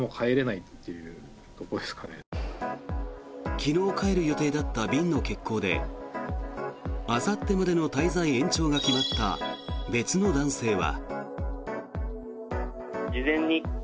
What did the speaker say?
昨日帰る予定だった便の欠航であさってまでの滞在延長が決まった別の男性は。